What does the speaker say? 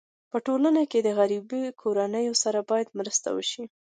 په ټولنه کي د غریبو کورنيو سره باید مرسته وسي.